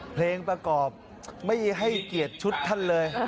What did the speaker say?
เพลงประกอบไม่ให้เกียรติชุดท่านเลย